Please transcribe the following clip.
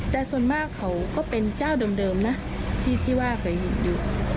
แต่ส่วนมากเขาก็เป็นเจ้าเดิมนะที่เฮียกิจอยู่